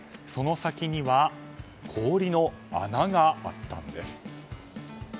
その先には氷の穴があったんです。